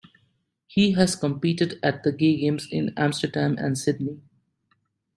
He has competed at the Gay Games in Amsterdam and Sydney.